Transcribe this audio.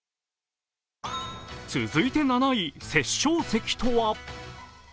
続いて７位、殺生石とは。